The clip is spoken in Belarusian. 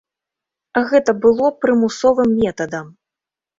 Гэта было прымусовым метадам.